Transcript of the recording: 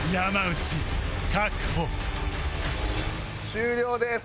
終了です。